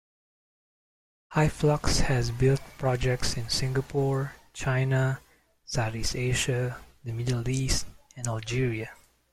Hyflux has built projects in Singapore, China, Southeast Asia, The Middle East, and Algeria.